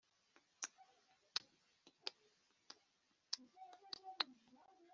“abantu bajijutse, ndetse abantu bose bazi ubwenge banyumva, bazambwira bati